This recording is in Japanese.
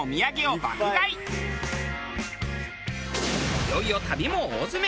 いよいよ旅も大詰め。